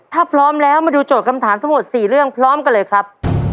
ถ้าพร้อมแล้วมาดูโจทย์คำถามทั้งหมด๔เรื่องพร้อมกันเลยครับ